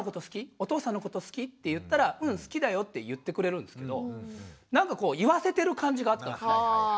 お父さんのこと好き？」って言ったら「うん好きだよ」って言ってくれるんですけどなんかこう言わせてる感じがあったんですよね。